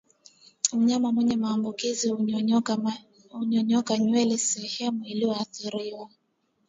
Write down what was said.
Mnyama mwenye maambukizi hunyonyoka nywele sehemu iliyoathirika